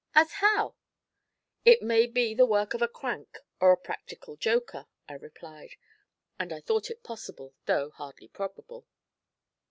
'As how?' 'It may be the work of a crank or a practical joker,' I replied; and I thought it possible, though hardly probable.